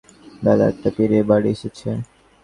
সকালেই মধুসূদন বেরিয়ে গিয়েছিল, বেলা একটা পেরিয়ে বাড়ি এসেছে।